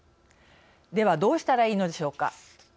ではどうしたらいいのでしょうか。